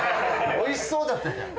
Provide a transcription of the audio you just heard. おいしそうだったじゃん。